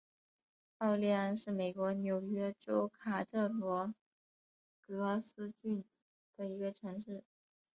奥利安是美国纽约州卡特罗格斯郡的一个城市。